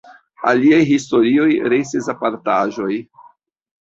Aliaj historioj restis apartaĵoj.